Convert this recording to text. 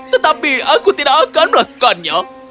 tetapi aku tidak akan melakukannya